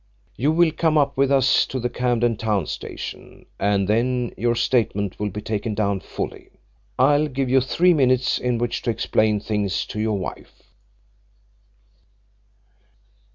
You will come up with us to the Camden Town Station and then your statement will be taken down fully. I'll give you three minutes in which to explain things to your wife."